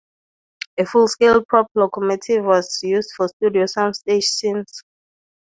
A full-scale prop locomotive was used for studio sound stage scenes.